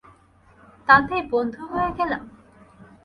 তাতেই বন্ধু হয়ে গেলাম?